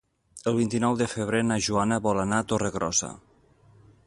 El vint-i-nou de febrer na Joana vol anar a Torregrossa.